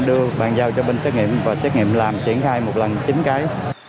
đưa bàn giao cho bên xét nghiệm và xét nghiệm làm triển khai một lần chín cái